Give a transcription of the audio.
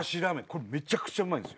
これめちゃくちゃうまいんすよ。